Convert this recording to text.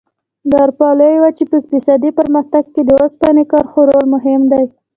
د اروپا لویې وچې په اقتصادي پرمختګ کې د اوسپنې کرښو رول مهم دی.